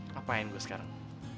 ngapain gue sekarang